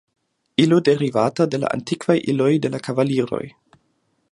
Ilo derivata de la antikvaj iloj de la kavaliroj.